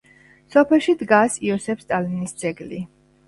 სოფელში დგას იოსებ სტალინის ძეგლი.